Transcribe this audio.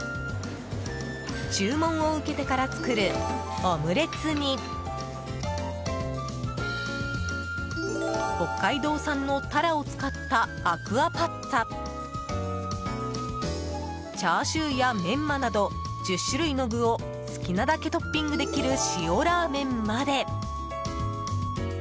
注文を受けてから作るオムレツに北海道産のタラを使ったアクアパッツァチャーシューやメンマなど１０種類の具を好きなだけトッピングできる塩ラーメンまで。